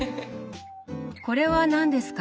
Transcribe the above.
これは何ですか？